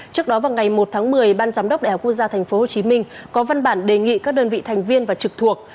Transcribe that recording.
trước đó vào ngày một tháng một mươi ban giám đốc đại học quốc gia thành phố hồ chí minh có văn bản đề nghị các đơn vị thành viên và trực thuộc